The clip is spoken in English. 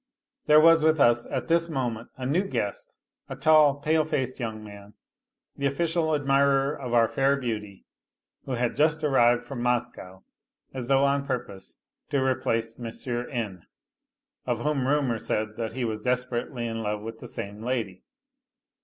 There was with us at this moment a new guest, a tall, pale faced young man, the official admirer of our fair beauty, who had just arrived from Moscow as though on purpose to replace N., of whom rumour said that he was desperately in love with the same lady.